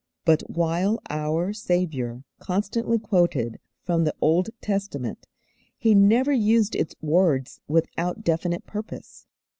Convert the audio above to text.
But while our Saviour constantly quoted from the Old Testament, He never used its words without definite purpose.